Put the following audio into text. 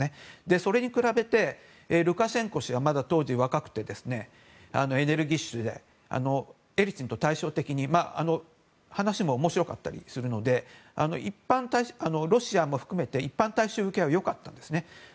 それに比べてルカシェンコ氏はまだ当時若くてエネルギッシュでエリツィンと対照的に話も面白かったりするのでロシアも含めて一般大衆受けは良かったんですね。